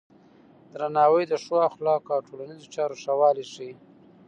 درناوی د ښو اخلاقو او د ټولنیزو چارو ښه والی ښيي.